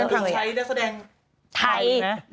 อีกใช้และแสดงไทย